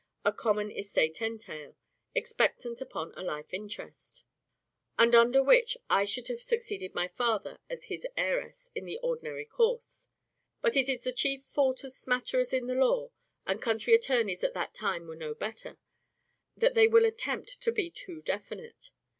_ a common estate entail, expectant upon a life interest; and under which I should have succeeded my father, as his heiress, in the ordinary course. But it is the chief fault of smatterers in the law (and country attorneys at that time were no better) that they will attempt to be too definite.